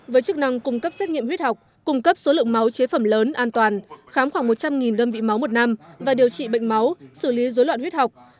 với chức năng cung cấp xét nghiệm huyết học cung cấp số lượng máu chế phẩm lớn an toàn khám khoảng một trăm linh đơn vị máu một năm và điều trị bệnh máu xử lý dối loạn huyết học